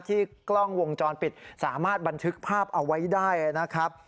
กล้องวงจรปิดสามารถบันทึกภาพเอาไว้ได้นะครับ